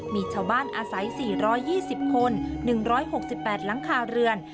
มีชาวบ้านอาศัย๔๒๐คน๑๖๘หลังคาเรือน